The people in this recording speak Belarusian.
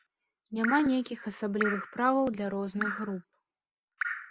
Няма нейкіх асаблівых правоў для розных груп.